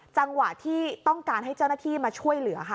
จังหวะที่ต้องการให้เจ้าหน้าที่มาช่วยเหลือค่ะ